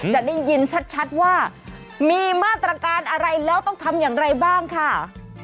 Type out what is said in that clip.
จะได้ยินชัดว่ามีมาตรการอะไรแล้วต้องทำอย่างไรบ้างค่ะ